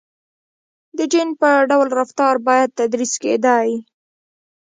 • د جن په ډول رفتار باید تدریس کېدای.